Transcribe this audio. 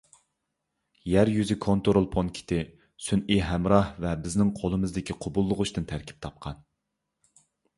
يەر يۈزى كونترول پونكىتى، سۈنئىي ھەمراھ ۋە بىزنىڭ قولىمىزدىكى قوبۇللىغۇچتىن تەركىب تاپقان.